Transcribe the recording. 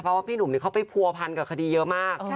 เพราะว่าพี่หนุ่มเขาไปผัวพันกับคดีเยอะมาก